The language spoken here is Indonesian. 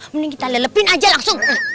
mending kita lelepin aja langsung